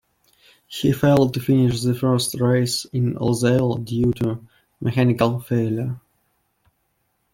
He failed to finish the first race in Losail due to a mechanical failure.